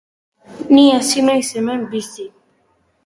Ni ezin naiz hemen bizi.